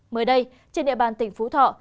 mới đây trên địa bàn tỉnh phú thọ